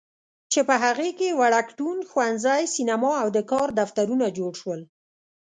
چې په هغې کې وړکتون، ښوونځی، سینما او د کار دفترونه جوړ شول.